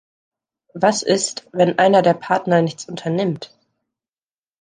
Was ist, wenn einer der Partner nichts unternimmt?